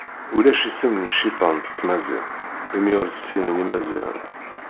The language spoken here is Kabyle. Ulac isem n cciṭan s tmaziɣt, imi ur t-ssinen Imaziɣen.